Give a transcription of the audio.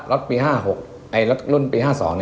รถปี๕๖อันนั้นรถรุ่นปี๕๒